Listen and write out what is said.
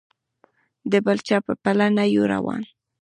د بل چا په پله نه یو روان.